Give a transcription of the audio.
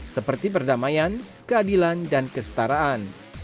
seperti perdamaian keadilan dan kestaraan